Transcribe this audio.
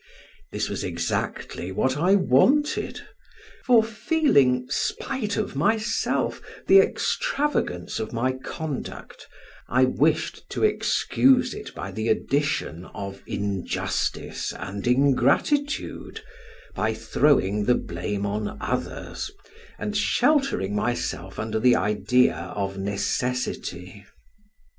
This was exactly what I wanted; for feeling, spite of myself, the extravagance of my conduct, I wished to excuse it by the addition of injustice and ingratitude, by throwing the blame on others, and sheltering myself under the idea of necessity.